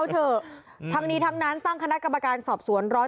ทำนี่ทำนั้นตั้งคณกรรมการสอบสวนร้อย